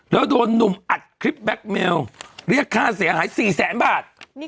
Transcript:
แล้วโดนหนุ่มอัดคลิปแบ็คเมลเรียกค่าเสียหาย๔แสนบาท